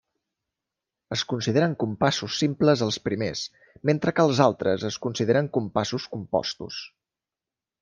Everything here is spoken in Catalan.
Es consideren compassos simples els primers, mentre que els altres es consideren compassos compostos.